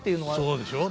そうでしょ。